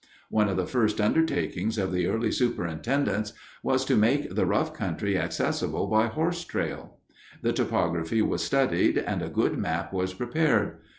One of the first undertakings of the early superintendents was to make the rough country accessible by horse trail. The topography was studied, and a good map was prepared.